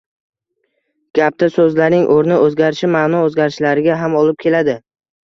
Gapda soʻzlarning oʻrni oʻzgarishi maʼno oʻzgarishlariga ham olib keladi